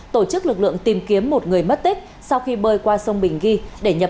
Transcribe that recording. tổ chức lực lượng tìm kiếm một người mất tích sau khi bơi qua sông bình ghi